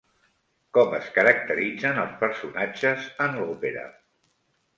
Com es caracteritzen els personatges en l'òpera?